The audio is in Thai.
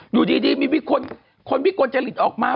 อยู่ดีมีคนวิกลจริตออกมา